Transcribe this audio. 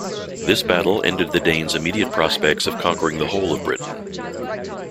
This battle ended the Danes immediate prospects of conquering the whole of Britain.